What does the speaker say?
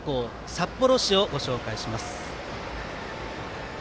札幌市をご紹介します。